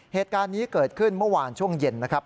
เหตุการณ์นี้เกิดขึ้นเมื่อวานช่วงเย็นนะครับ